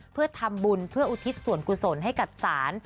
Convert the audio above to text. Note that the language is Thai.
เพื่อทำบุญเพื่ออุทิศส่วนกุศลให้กับศาล